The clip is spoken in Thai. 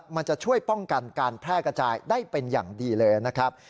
มันจะช่วยป้องกันการแพร่กระจายได้เป็นอย่างดีเลยนะครับ